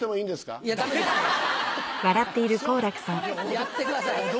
やってください。